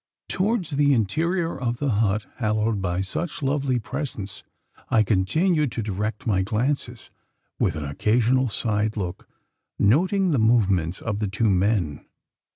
Towards the interior of the hut, hallowed by such lovely presence, I continued to direct my glances with an occasional side look, noting the movements of the two men.